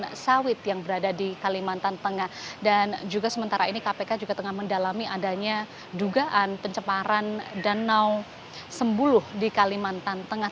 ada sawit yang berada di kalimantan tengah dan juga sementara ini kpk juga tengah mendalami adanya dugaan pencemaran danau sembuluh di kalimantan tengah